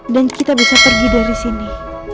dan kita bisa pergi dari sini